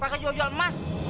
pakai jual jual emas